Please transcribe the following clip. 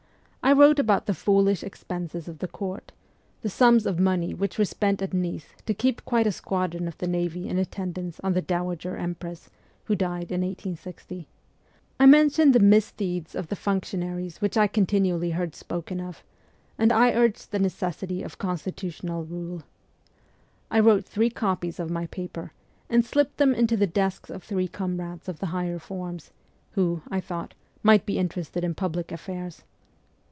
I wrote about the foolish expenses of the Court, the sums of money which were spent at Nice to keep quite a squadron of the navy in attendance on the dowager Empress, who died in 1860 ; I mentioned the misdeeds of the func tionaries which I continually heard spoken of, and I urged the necessity of constitutional rule. I wrote three copies of my paper, and slipped them into the desks of three comrades of the higher forms, who, I thought, might be interested in public affairs.